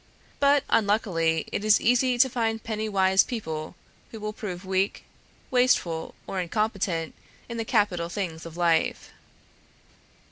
But, unluckily, it is easy to find penny wise people who will prove weak, wasteful, or incompetent in the capital things of life.